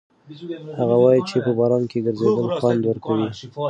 هغه وایي چې په باران کې ګرځېدل خوند ورکوي.